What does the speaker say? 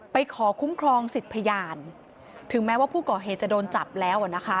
ขอคุ้มครองสิทธิ์พยานถึงแม้ว่าผู้ก่อเหตุจะโดนจับแล้วนะคะ